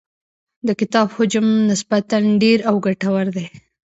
د کتاب حجم نسبتاً ډېر او ګټور دی.